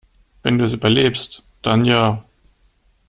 Wenn du es überlebst, dann ja.